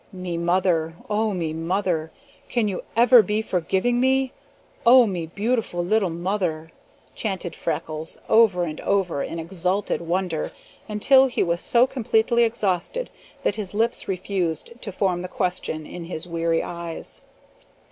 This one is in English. "Me mother! Oh, me mother! Can you ever be forgiving me? Oh, me beautiful little mother!" chanted Freckles over and over in exalted wonder, until he was so completely exhausted that his lips refused to form the question in his weary eyes.